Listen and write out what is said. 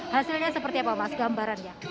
hasilnya seperti apa mas gambarannya